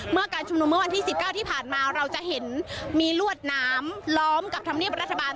การชุมนุมเมื่อวันที่๑๙ที่ผ่านมาเราจะเห็นมีลวดน้ำล้อมกับธรรมเนียบรัฐบาล